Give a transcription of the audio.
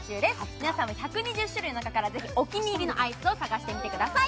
皆さんも１２０種類の中から、ぜひお気に入りのアイスを探してみてください。